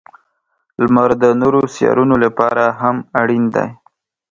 • لمر د نورو سیارونو لپاره هم اړین دی.